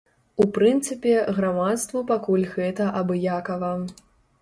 У прынцыпе, грамадству пакуль гэта абыякава.